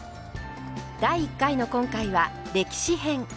第１回の今回は歴史編。